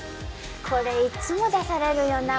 これいつも出されるよな。